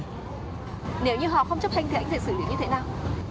nếu như họ không chấp hành thì anh sẽ xử lý như thế nào